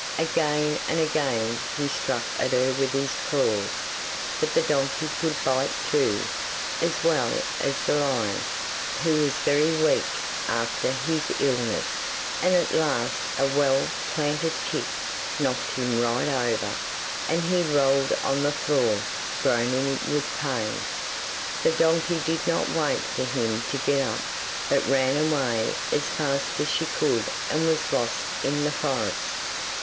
Again and again he struck at her with his claws, but the donkey could bite too, as well as the lion, who was very weak after his illness, and at last a well planted kick knocked him right over, and he rolled on the floor, groaning with pain. The donkey did not wait for him to get up, but ran away as fast as she could and was lost in the forest.